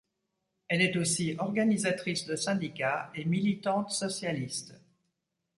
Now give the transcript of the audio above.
Elle est aussi organisatrice de syndicat et militante socialiste.